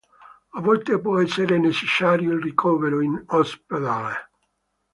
A volte può essere necessario il ricovero in ospedale.